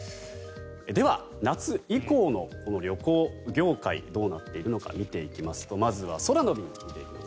では、夏以降の旅行業界どうなっているのか見ていきますとまずは空の便を見ていきます。